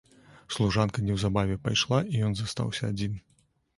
Служанка неўзабаве пайшла, і ён застаўся адзін.